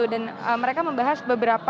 dan mereka membahas beberapa